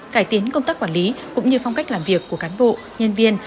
cải tiến công tác quản lý cũng như phong cách làm việc của cán bộ nhân viên